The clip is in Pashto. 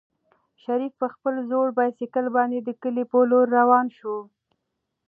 شریف په خپل زوړ بایسکل باندې د کلي په لور روان شو.